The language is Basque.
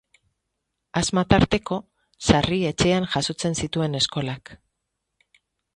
Asma tarteko, sarri etxean jasotzen zituen eskolak.